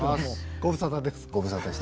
ご無沙汰です。